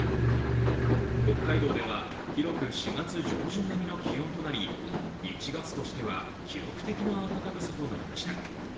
北海道では広く４月上旬並みの気温となり、１月としては記録的な暖かさとなりました。